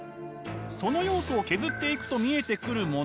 その要素を削っていくと見えてくるもの